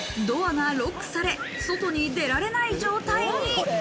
ドアがロックされて、外に出られない状態に。